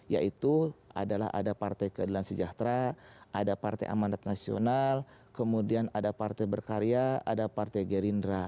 yaitu adalah ada partai keadilan sejahtera ada partai amanat nasional kemudian ada partai berkarya ada partai gerindra